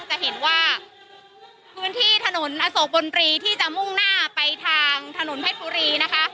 จะเห็นว่าพื้นที่ถนนอโศกบนรีที่จะมุ่งหน้าไปทางถนนเพชรบุรีนะคะ